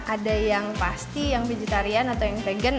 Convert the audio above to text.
ada yang pasti yang vegetarian atau yang vegan